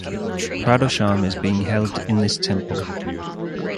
Pradosham is being held in this temple.